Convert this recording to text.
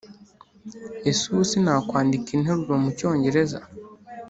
Ese ubu sinakwandika interuro mu cyongereza